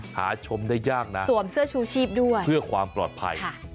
หาชมได้ยากนะสวมเสื้อชูชีพด้วยเพื่อความปลอดภัย